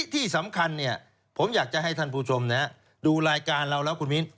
ที่สำคัญผมอยากจะให้ท่านผู้ชมดูรายการเราแล้วคุณมิ้น